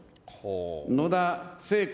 野田聖子